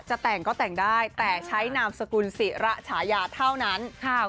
จะแต่งก็แต่งได้แต่ใช้นามสกุลศิระฉายาเท่านั้นค่ะ